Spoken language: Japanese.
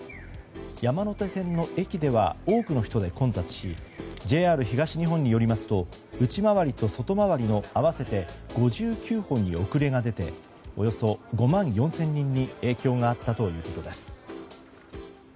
山手線の駅では多くの人で混雑しＪＲ東日本によりますと内回りと外回りの合わせて５９本に遅れが出ておよそ５万４０００人に影響があったということです。